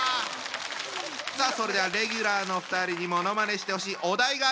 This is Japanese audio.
さあそれではレギュラーのお二人にものまねしてほしいお題がある人！